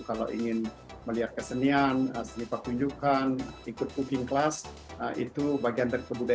kalau ingin melihat kesenian seni petunjukan ikut cooking class itu bagian dari kebudayaan bali